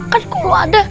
kan kok ada